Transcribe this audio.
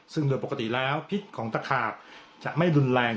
ซึ่งโดยปกติแล้วพิษของตะขาบจะไม่รุนแรง